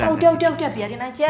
udah udah biarin aja